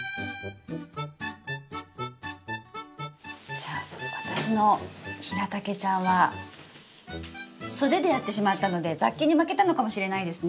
じゃあ私のヒラタケちゃんは素手でやってしまったので雑菌に負けたのかもしれないですね。